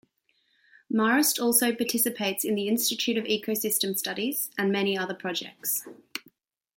Marist also participates in the Institute of Ecosystem Studies, and many other projects.